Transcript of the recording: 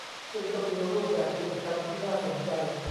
ซึ่งก็มีรูปแบบกิจกรรมที่น่าสนใจ